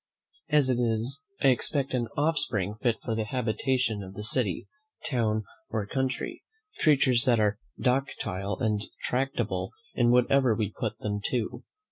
As it is, I expect an offspring fit for the habitation of the city, town or country; creatures that are docile and tractable in whatever we put them to.